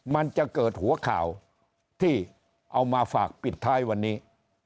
มันจะเกิดหัวข่าวที่เอามาฝากปิดท้ายวันนี้